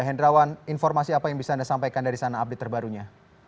hendrawan informasi apa yang bisa anda sampaikan dari sana update terbarunya